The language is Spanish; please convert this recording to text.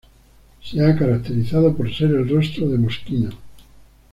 Se ha caracterizado por ser el rostro de Moschino.